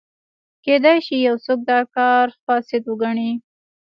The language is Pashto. کېدای شي یو څوک دا کار فساد وګڼي.